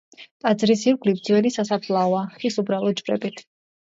ტაძრის ირგვლივ ძველი სასაფლაოა ხის უბრალო ჯვრებით.